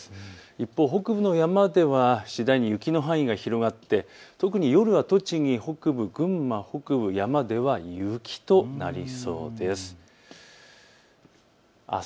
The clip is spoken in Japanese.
一方、北部の山では次第に雪の範囲が広がって特に夜は栃木北部、群馬北部、山では雪となりそうです。